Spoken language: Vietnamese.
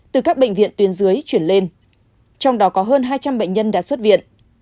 từ các bệnh viện tuyến dưới chuyển lên trong đó có hơn hai trăm linh bệnh nhân đã xuất viện